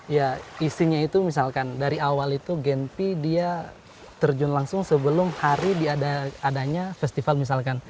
ya isinya itu misalkan dari awal itu genpi dia terjun langsung sebelum hari adanya festival misalkan